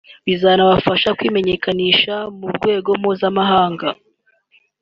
bizanabafasha kwimenyekanisha mu rwego mpuzamahanga